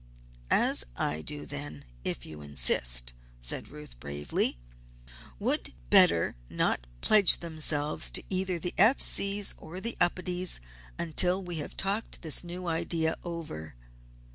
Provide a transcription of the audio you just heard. "As I do, then, if you insist," said Ruth, bravely, "would better not pledge themselves to either the F. C.'s or the Upedes until we have talked this new idea over."